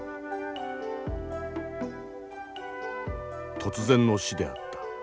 突然の死であった。